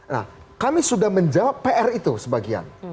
nah kami sudah menjawab pr itu sebagian